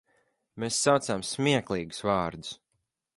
Mēs saucām smieklīgus vārdus.